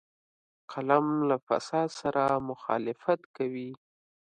قلم له فساد سره مخالفت کوي